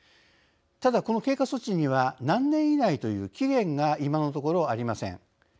ただ、この経過措置には何年以内という期限が今のところありません。